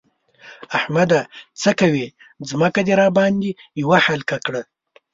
احمده! څه کوې؛ ځمکه دې راباندې يوه حقله کړه.